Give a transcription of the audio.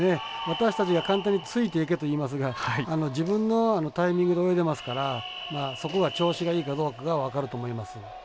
私たちが簡単についていけと言いますが自分のタイミングで泳いでますからそこは調子がいいかどうかが分かると思います。